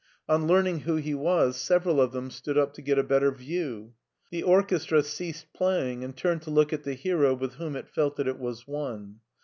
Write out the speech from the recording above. On learning who he was, several of them stood up to get a better view. The orchestra ceased playing and turned to look at the hero with whom it felt that it was one.